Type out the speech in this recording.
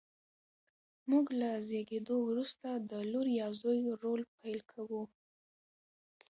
موږ له زېږېدو وروسته د لور یا زوی رول پیل کوو.